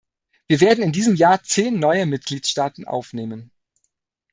Wir werden in diesem Jahr zehn neue Mitgliedstaaten aufnehmen.